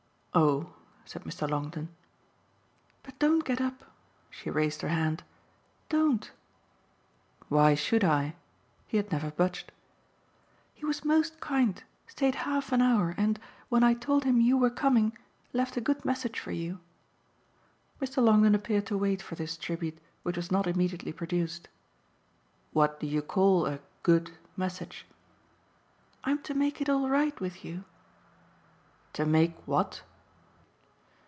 "Oh!" said Mr. Longdon. "But don't get up." She raised her hand. "Don't." "Why should I?" He had never budged. "He was most kind; stayed half an hour and, when I told him you were coming, left a good message for you." Mr. Longdon appeared to wait for this tribute, which was not immediately produced. "What do you call a 'good' message?" "I'm to make it all right with you." "To make what?"